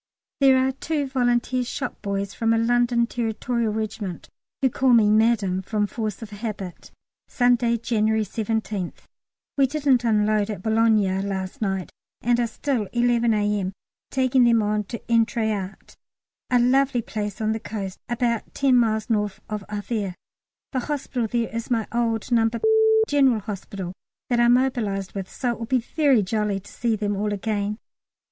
There are two Volunteer shop boys from a London Territorial Regiment, who call me "Madam" from force of habit. Sunday, January 17th. We didn't unload at Boulogne last night, and are still (11 A.M.) taking them on to Êtretat, a lovely place on the coast, about ten miles north of Havre. The hospital there is my old No. General Hospital, that I mobilised with, so it will be very jolly to see them all again.